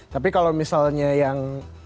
tapi kalau misalnya yang